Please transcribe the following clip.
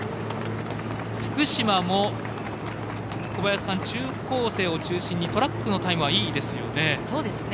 福島も中高生を中心にトラックのタイムはいいですよね。